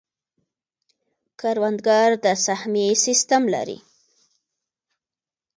کروندګر د سهمیې سیستم لري.